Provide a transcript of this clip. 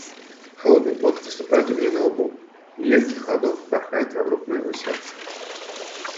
Холодный пот выступает у меня на лбу, и легкий холодок порхает вокруг моего сердца.